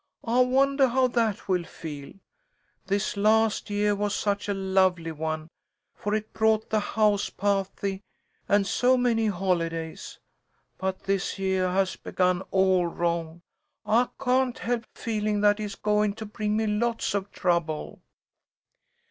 I wondah how that will feel. This last yeah was such a lovely one, for it brought the house pahty and so many holidays. But this yeah has begun all wrong. I can't help feelin' that it's goin' to bring me lots of trouble."